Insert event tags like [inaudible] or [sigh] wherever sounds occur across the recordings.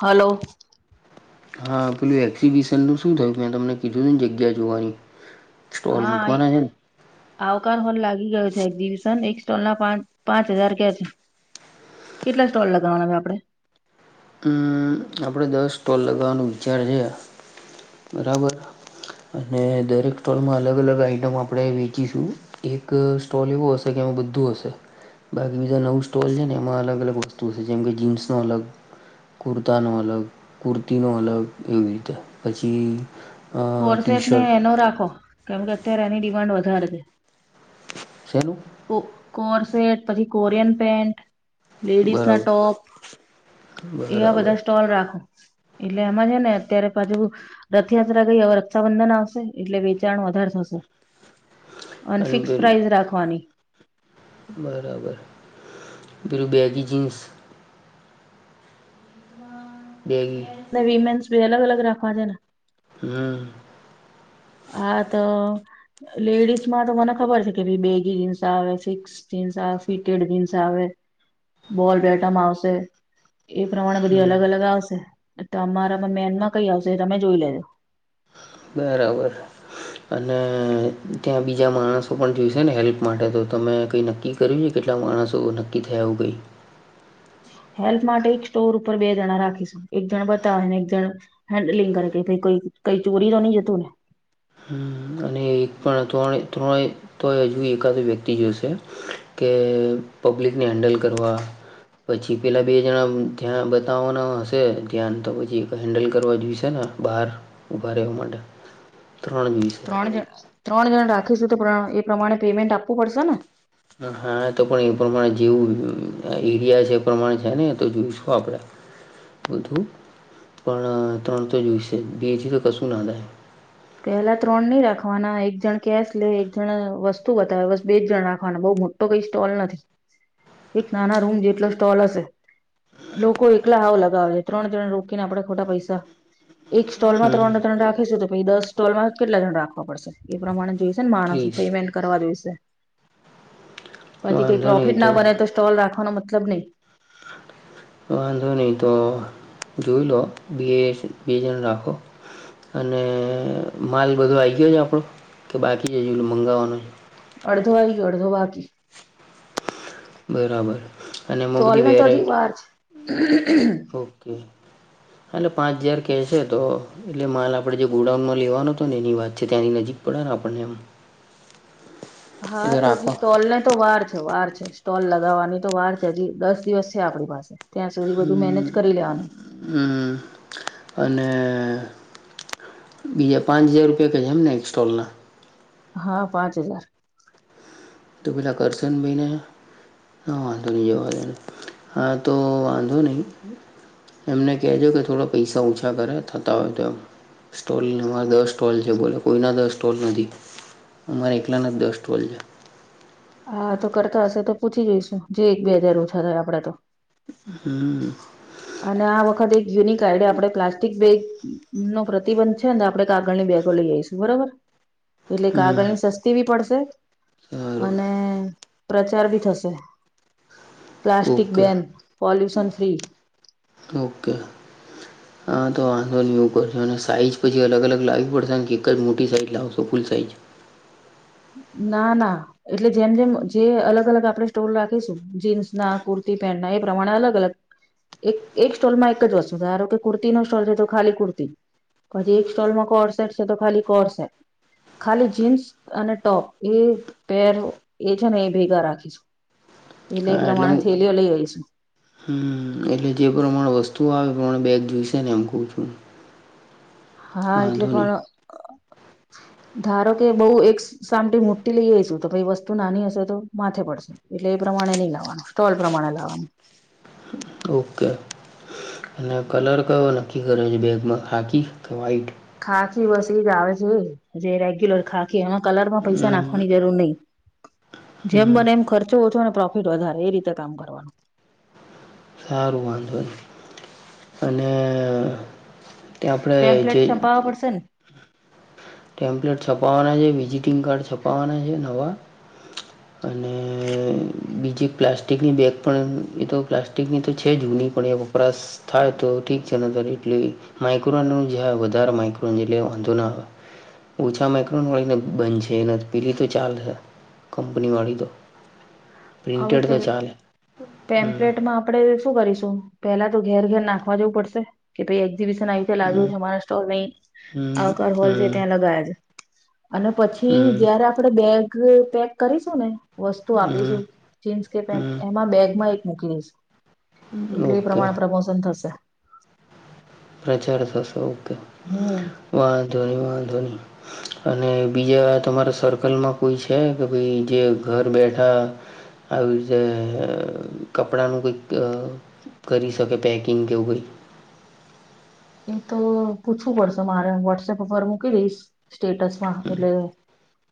Hello. હા પેલું exhibition નું શું થયું મેં તમને કીધું ને જગ્યા જોવાની. સ્ટોલ હા મૂકવાના છે ને આવકાર હોલ લાગી ગયો છે એક્ઝિબિશન એક સ્ટોલ ના પા પાંચ હજાર ક્યાં છે કેટલા સ્ટોલ લગાવવાના હય આપણે તા આપડે દસ સ્ટોલ લગાવવાનું વિચાર છે. બરાબર અને દરેક સ્ટોલમાં અલગ અલગ આઈટમ આપડે વેચીશું. એક સ્ટોલ એવો હશે કે આમાં બધું હશે. બાકી બીજા નવું સ્ટોલ છે ને એમાં અલગ અલગ વસ્તુ છે જેમ કે જીન્સ નો અલગ કુર્તાનો અલગ કુર્તી નો અલગ એવી રીતે પછી અ ટી કોરસેટ ને શર્ટ એનો રાખો કેમ કે અત્યારે એની ડિમાન્ડ વધારે છે ખેલું કો કોરસેેટ પછી કોરિયન પેન્ટ લેડીસ ના બરાબર ટોપ એવા બરાબર બધા સ્ટોલ રાખો એટલે એમાં છે ને અત્યારે પાજુ રથયાત્રા ગઈ હવે રક્ષાબંધન આવશે એટલે વેચાણ વધારે થશે અને અનેન ફિક્સ બલ પ્રાઇસ રાખવાની બરાબર પેલું બેગી જીન્સ બે ને વીમેન્સ ભી અલગ અલગ રાખવા છે ને હમ હા તો લેડીસ માં તો મને ખબર છે કે ભી બેગ જીન્સ આવે સિક્સ િકેટી આવે બોલ બેઠાવામાં આવશે એ પ્રમાણે બધી અલગ અલગ આવશે તો અમારા મે્યાનમાં કઈ આવશે એ તમે જોઈ લેજો બરાબર અને ત્યાં બીજા માણસો પણ જોઈશે ને હેલ્પ માટે તો તમે કઈ નક્કી કર્યું છે કેટલા માણસો નક્કી થયા એવું ગઈ હેલ્થ માટે એક સ્ટોર ઉપર બે જણા રાખીશું એક જણ બતાવેય ને એક જણ હેન્ડલિંગ કર કે ભ કોઈ કઈ ચોરી તો ન જ તુંને હ અને એક પણ તોણે તોણેય તો એ હજુ એકાદ વ્યક્તિ જોશે કે પબ્લિકને હેન્ડલ કરવા પછી પેલાં બે જણા ધ્યાં બતાવવાના હશે ધ્યાન તો પછી એક હેન્ડલ કરવા જોઈશે ને બહાર ઊભા રહેવા માટે ત્રણવીસ ત્રણ ત્રણ જણ રાખીશું તો એ પ્રમાણે પેમેન્ટ આપવું પડશે ને હા તો પણ એ પ્રમાણે જેવું એરિયા છે એ પ્રમાણે છે ને તો જોઈશું આપણે બધું પણ ત્રણ તો જોઈશે બેજી તો કશું ના થાય પેલા ત્રણ નહી રાખવાના એક જણ કેશ લે એક જણ વસ્તુ બતાવે બસ બે જ જણ રાખવાના બહ મોટા તો કઈ સ્ટોલ નથી એક નાના રૂમ જેટલો સ્ટોલ હશે લોકો એકલા હાવ લગાવે છે ત્રણ ત્રણ રોકીને આપડણે ખોટા પૈસા એક સ્ટોલમાં હમ ત્રણ ત્રણ રાખીશું તો પછ દસ સ્ટોલમાં કેટલા જણ રાખવા પડશે એ પ્રમાણે જોઈ માણસ ત્રીસ પેમેન્ટ કરવા જોશે પછી કઈ વાંધો નહીં પ્રોફિટ ના બને તો તોલ રાખવાનો મતલબ નહીં વાંધો નહી તો જોઈ લો બે બેજણ રાખો અને માલ બધો આવી ગયો છે આપણો કે બાકી છે જે મંગાવવાનો છે અડધો વાય અડધો બાકી બરાબર અને એમાં તોલ બધી ને તો હજી વેરાયટી વાર છે ઓકે એાટલે પાંચ હજાર કહેશે તો એટલે માલ આપણે જે ગોડાઉનમાં લેવાનો હતો ને એની વાત છે ત્યાંની નજીક પઢના આપનેમ હા તોજી સ્ટોલ ને તો વાર છે વાર છે સ્ટોલ લગાવવાની તો વાર છે હજી દસ દિવસ છે આપણી પાસે ત્યાં સુધી બધું મેનેજ હમ્મ કરી લેવાનું એ અને બીજા પાંચ હજાર રૂપિયા ક જ છે એમને એક સ્ટોલના. હા પાંચ હજાર તુબલા કરથન બેને હા વાંધો નહી જોવા દનું હા તો વાંધો નહી એમને કહેજો કે થોડા પૈસા ઓછા કરે થતા હોય તો એ સ્ટોલને અમારે દસ સ્ટોલ છે બોલો કોઈના દસ સ્ટોલ નથી, અમારે એકલાના જ દસ સ્ટોલ છે. હા તો કરતા હશે તો પૂછી જઈશું જે એક બે હજાર ઓછા થાય આપડે તો. હમ. હ [unintelligible] અને આ વખત એક યુનિક આઈડિયા આપણે પ્લાસ્ટિક બેગ નો પ્રતિબંધ છે ને આપડણે કાગળની બેગો લઈ આવીઈશ. બરોબર. [inaudible] એટલે કાગળ ની સસ્તી બી પડશે. સારું અને પ્રચાર બી થશે, plastic okay ban. Pollution free. Okay. હા તો આંધો વું કરશો અને સાઈઝ પછી અલગ અલગ લાવ પડશેને એક જ મોટી સાઈઝ લાવશો ફૂલ સાઈઝ? ના ના. એટલે જેમ જેમ જે અલગ અલગ આપણે સ્ટોર રાખીશું, જીન્સ ના કુર્તી પેન્ટના એ પ્રમાણે અલગ અલગ. એક એક સ્ટોલ માં એક જ વસ્તુ ધારો કે કુર્તી નો સ્ટોલ છે તો ખાલી કુર્તી જ. પછી એક સ્ટોલમાં કોર સેટ છે તો ખાલી કોરસેેટ, ખાલી જીન્સ અને ટોપ એ પેર એ છે ને એ ભેગા રાખીશું. એટલે હા એ પ્રમાણે હું થેલીઓ લઈ આવીઈશું. હમ. એટલે જે પ્રમાણે વસ્તુ આવે એ પ્રમાણે બેગ જોઈશે ને એમ ક છું. હા એટલે વાંધો પણ [inaudible] ધારો કે બઉુ એક સામટી મુટી લઈ આવીઈશું તો ભાઈ વસ્તુ નાની હશે તો માથે પડશે. એટલે એ પ્રમાણે નહી લાવવાનું સ્ટોલ પ્રમાણે લાવવાનું. ઓકે, અને કલર કયો નક્કી કરે છે બેગમાં હાકી કે વ્હાઈટ? ખાખી બસ એજ આવે છે, જે રેગ્યુલર ખાખી એમાં કલર માં પૈસા હમ નાખવાની જરૂર નહી. જેમ બને એમ ખર્ચો ઓછો અનેને પ્રોફિટ વધારે એ રીતે કામ કરવાનું. સારું વાંધો નહીં, અને તે આપણે જે કરશે ને. ટેમ્પ્લેટ છપાવવાના છે વિઝિટિંગ કાર્ડ છપાવવાના છે નવા. અને બીજી પ્લાસ્ટિકની બેગ પણ એ તો પ્લા પંગની તો છે જૂની પણ એક વપરાશ થાય તો ઠીક છે ન ત એટલી માઇક્રોનનું જે વધારે માઇક્રોન એટલે વાંધો ન આવે. ઓછા માઇક્રોન વાળી ને બંધ છે એના પેલી તો ચાલ છે કંપની વાળી તો. [inaudible] હવે પ તો ચાલે હમ ટેમ્પ્લેટમાં આપ આપડે શું કરીશું પેલા તો ઘેર ઘેર નાખવા જેવું પડશે, કે ભાઈ એક્ઝિબિશન આવી લાગ્યું હમ છે અમારા સ્ટોલ ની, આવકાર હોલ છે હમ ત્યાં લગાયા છે. અને પછી હમ જયારે આપણેે બેગ પેક કરીશું ને વસ્તુ હમ આપીશું. જીન્સ કે પેંન્ટ હમ એમાં બેગમાં એક મૂકી દઈશ, હમ એટલે એ ઓકે પ્રમાણે પ્રમોશન થશે. પ્રચાર થશે ઓકે. હમ. વા ધોની વા ધોની. અને બીજા આ તમારા સર્કલમાં કોઈ છે કે ભાઈ જે ઘર બેઠા. આવી રીતે અ કપડાનું કઈક. કરી શકે પેકિંગ કેવું કઈ. એ તો પૂછવું પડશે મારે વોટ્સએપ પરર મૂકી દઈશ, સ્ટેટસ. હા એટલે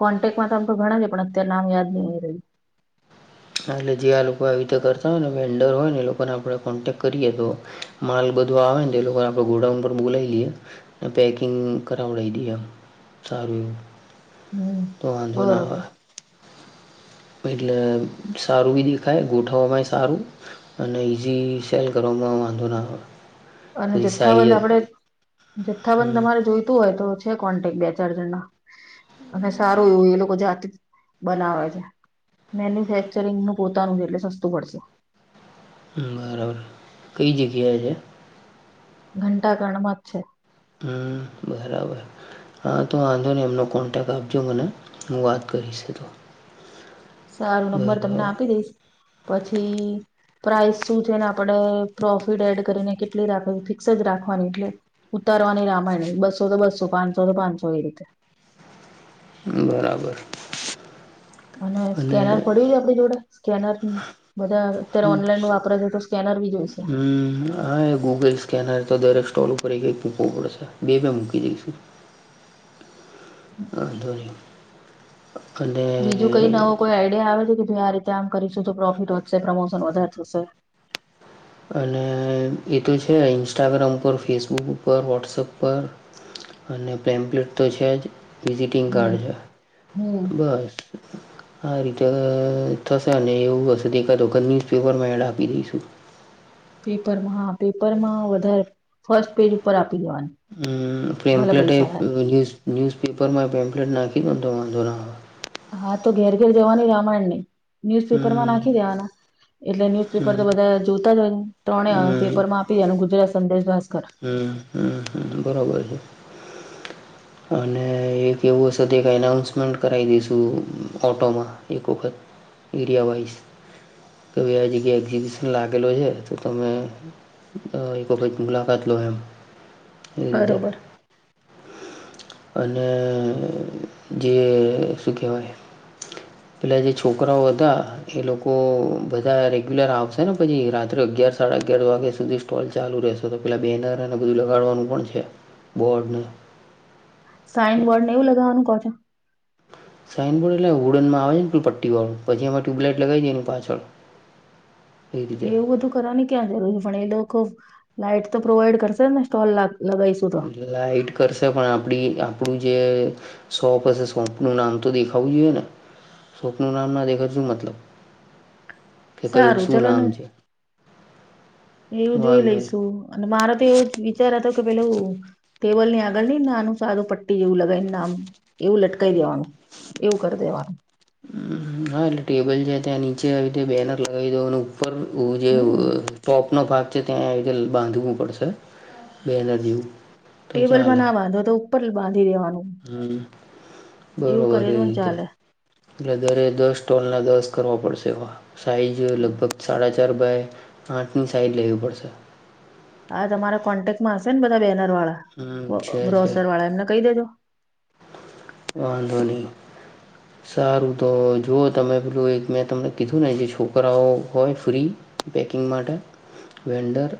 કોન્ટેકમાં તો આમ તો ઘણા છે પણ અત્યારે નામ યાદ નહી આવી રહ્યું. એટલે જે આ લોકો આવી રીતે કરતા હોય ને વેન્ડર હોય ને એ લોકોને આપણે કોન્ટેક્ટ કરીએ તો માલ બધું આવે ને તો એ લોકો આપડે ગોડાઉન પર બોલાવી લઈએ. અ પેકિંગ કરાવડાવી દઈ આમ સારું એવું. હમ તો વાંધો ના આવે બરોબર એટલે. સારું ભી દેખાય ગોઠવવા માંય સારું. અને ઈઝી સેલ કરવામાં વાંધો ના આવે. અને પછી જથ્થાબંધ સાઈઝ આપડે જથ્થાબંધ તમારે જોઈતું હોય તો. છે કોન્ટેક્ટ બે ચાર જણના અને સારું એવું એ લોકો જાતે બનાવે છે. મેન્યુફેક્ચરિંગનું પોતાનું છે એટલે સસ્તુ પડશે. બરાબર કઈ જગ્યા છે. ઘંટા ઘણમાં જ છે. હમ બરાબર. હા તો વાંધો ને એમનો કોન્ટેક્ટ આપજો મને હું વાત કરીશ ઇ તો. સારું નંબર તમને બરાબર આપી દઈશ પછી. પ્રાઇસ શું છે ને આપણે પ્રોફિટ એડ કરીને કેટલી રાખે ફિક્સ જ રાખવાની એટલે ઉતારવાની રામાયણ બસો તો બસો પાંચસો તો પાંચસો એ રીતે. બરાબર. અને સ્કેનર પડ્યું આપણી જોડે સ્કેનર. બધા અત્યારે ઓનલાઈન વાપરે છે તો સ્કેનર બી જોઈશે. હું. હા એ ગૂગલ સ્કેનર તો દરેક સ્ટોલ ઉપર એક એક મૂકવો પડશે બે બે મૂકી દઈશું. વાઘો ન‌ઈ. કને. બીજું કઈ નવો કોઈ આઈડિયા આવે છે કે ભ આ રીતે આમ કરીશું તો પ્રોફિટ વધશે પ્રમોશન વધારે શે સર. અને એ તો છે ઇન્સ્ટાગ્રામ ઉપર ફેસબુક ઉપર વોટ્સપ પર. અને પ્લેમ્પ્લેટ તો છે જ વિઝિટિંગ હમ કાર્ડ છે. હમ બસ. આ રીતે અ થશે અને એવું હશે તો એકાદ વખત ન્યુઝપેપર માં એડ આપી દઈશું. પેપરમાં હા પેપર માં વધારે ફર્સ્ટ પેજ ઉપર આપી દેવાનું. ભલે પેમ્પલેટ એ પૈસા થાય ન્યૂઝ ન્યૂઝપેપરમાં પેમ્પલેટ નાખી દોતો વાંધો ન આવે. હા તો ઘેર ઘેર જવાની રામાયણ નહી હમ ન્યુઝપેપર માં નાખી દેવાના. એટલે ન્યુઝપેપર હમ તો બધા જોતા હોયજ ત્રણે હમ પેપર માં આપી દેવાનું ગુજરાત સંદેશ ભાસ્કર. હું હું હું બરોબર છે. અને. એક એવું હશે એક એનાઉન્સમેન્ટ કરાવી દઈશું ઓટોમાં એક વખત. એરિયા વાઇઝ કે ભાઈ આ જગ્યાએ એક્ઝિબિશન લાગેલો છે તો તમે. અ એક વખત મુલાકાત લો એમ એવી રીતે. બરોબર અને જે શું કેહેવાય. પહેલા જે છોકરાઓ હતા. એ લોકો બધા રેગ્યુલર આવશે ને પછી રાત્રે અગિયાર સાડા અગિયાર વાગે સુધી. સ્ટોલ ચાલુ રહેશે તો પેલા બેનર અને બધું લગાડવાનું પણ છે બોર્ડને. સાઈન બોર્ડ ને એવું લગાવવાનું કહો છો. સાઈનબોર્ડ એટલે હુડનમાં આવે ને પલ પટ્ટી વાળું પછી એમાં ટુબલાઈટ લગાવીઈાય એની પાછળ. એ રીતે એવું બધું કરવાની ક્યાં જરૂર છે પણ એ લોકો લાઈટ તો પ્રોવાઈડ કરશે ને સ્ટોલ લગા લગાઇશુ. શૂડ [unintelligible] લાઇટ કરશે પણ આપડી આપણું જે. શોપ હશે શોપ નું નામ તો દેખાવું જોઈએ ને શોપનું નામ ના દેખા શું મતલબ. કે કયું સારું શું ચલો નામ ને છે. એવું જોઈ વાંધો લઈશું અને મારા તો એવો જ વિચાર હતો કે પેલું. ટેબલ ની આગળ લઈને નાનું સારું પટ્ટી જેવું લગાવી ને નામ એવું લટકાવી દેવાનું. એવું કરી દેવાનું. હા એટલે ટેબલ છે ત્યાં નીચે આવી રી બેનર લગાવી દોનું. હમ [unintelligible] ટપનો ભાગ છે ત્યાં આવી રીતે બાંધવું પડશે બે હજાર જેવું. તો ટેબલમાં ના બાંધો તો ઉપર બાંધી દેવાનું. હમ્મ, એવું બરોબર કરીએ એ તોય રીતે. ચાલે બ્રધરે દસ સ્ટોલના દસ કરવા પડશે એમાં, સાઇઝ લગભગ સાડા ચાર બાય આઠની સાઈડ લેવી પડશે. હા તમારા કોન્ટેકમાં હશે ને બધા બેનર હમ વાળા છે છે ગ્રોસર વાળા એમને કહી દેજો. વાંધો ની. સારું તો જુઓ તમે પેલું એક મેં તમને કીધું ને જે છોકરાઓ હોય ફ્રી પેકિંગ માટે વેન્ડર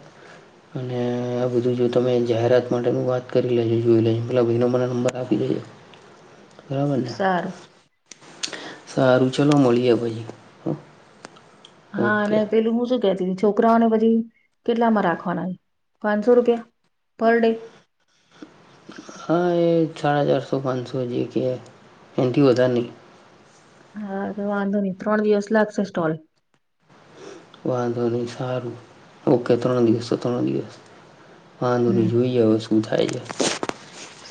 અને આ બધું જો તમે જાહેરાત માટેનું વાત કરી લેજો જોઈ લેજો મેલા ભાઈનો મને નંબર આપી લેજો. [unintelligible] સારું સારું ચલો મળીએ પછી. હ હા ઓકે અને પેલું હું છે કેતી છોકરાઓને પછી કેટલામાં રાખવાના છે, પાંચસો રૂપિયા પર ડે? હા એ સાડા ચારસો પાંચસો જે કે એનાથી વધારે નહીં. હા તો વાંધો નહી ત્રણ દિવસ લાગશે સ્ટોલ. વાંધો નહી સારું ઓકે ત્રણ દિવસ તો ત્રણ દિવસ. વાંધો નું હમ જોઈએ શું થાય છે.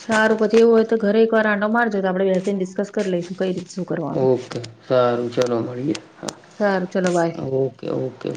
સારું પછી એવું હોય ઘરે એક વાર આંડો મારજો આપ બેસીને ડિસ્કસ કરી લઈશું. કઈ રીતે શું કરવાનું છે. ઓકે સારું ચલો મળીએે સારું ચલો બાય ઓકે ઓકે.